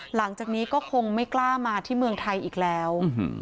หลังจากนี้ก็คงไม่กล้ามาที่เมืองไทยอีกแล้ว